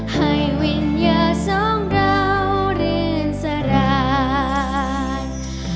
ให้วิญญาสองเราเรื่องสลาย